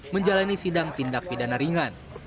menjalani sidang tindak pidana ringan